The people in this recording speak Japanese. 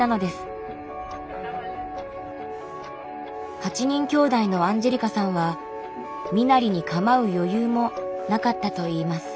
８人きょうだいのアンジェリカさんは身なりに構う余裕もなかったといいます。